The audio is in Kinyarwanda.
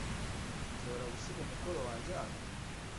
Nshobora gusiga umukoro wanjye hano?